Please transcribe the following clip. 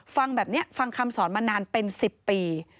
ฟังแบบนี้ฟังคำสอนมานานเป็น๑๐ปี